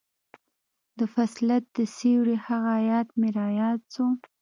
د فصلت د سورې هغه ايت مې راياد سو.